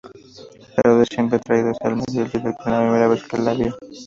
Taro se siente atraído hacia Mariel desde la primera vez que la vio.